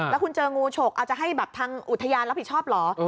แล้วคุณเจองูฉกเอาจะให้แบบทางอุทยานรับผิดชอบเหรอ